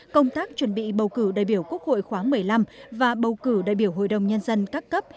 công tác chuẩn bị bầu cử đại biểu quốc hội khóa một mươi năm và bầu cử đại biểu hội đồng nhân dân các cấp